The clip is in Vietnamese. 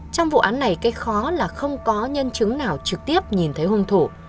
trong vụ án này cách khó là không có nhân chứng nào trực tiếp nhìn thấy hôn thủ